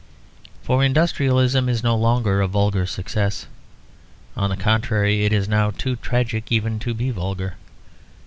For industrialism is no longer a vulgar success. On the contrary, it is now too tragic even to be vulgar.